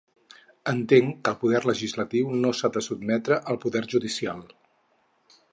Entenc que el poder legislatiu no s’ha de sotmetre al poder judicial.